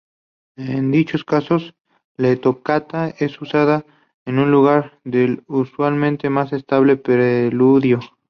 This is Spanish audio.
En dichos casos, la tocata es usada en lugar del usualmente más estable preludio.